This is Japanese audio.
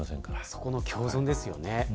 そこの共存ですよね。